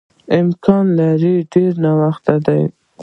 امکان لري ډېر ناوخته ده.